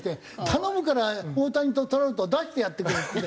頼むから大谷とトラウトを出してやってくれっつって。